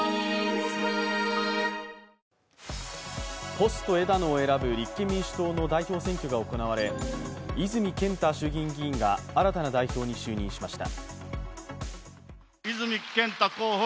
ポスト枝野を選ぶ立憲民主党の代表選挙が行われ泉健太衆議院議員が新たな代表に就任しました。